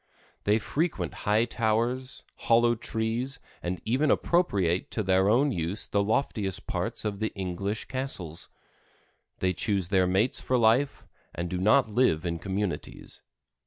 They frequent high towers, hollow trees, and even appropriate to their own use the loftiest parts of the English castles. They choose their mates for life, and do not live in communities.